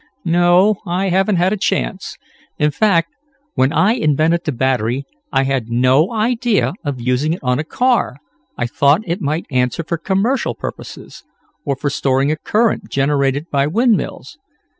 "No, I haven't had a chance. In fact, when I invented the battery I had no idea of using it on a car I thought it might answer for commercial purposes, or for storing a current generated by windmills.